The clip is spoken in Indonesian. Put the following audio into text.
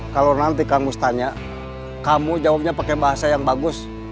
kalau nanti kang gus tanya kamu jawabnya pakai bahasa yang bagus